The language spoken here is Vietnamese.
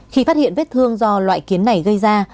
khi phát hiện vết thương do loại kiến này gây ra